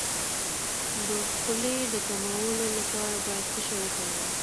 د خولې د کمولو لپاره باید څه شی وکاروم؟